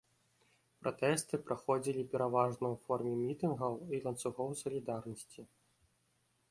Пратэсты праходзілі пераважна ў форме мітынгаў і ланцугоў сілідарнасці.